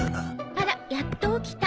あらやっと起きた。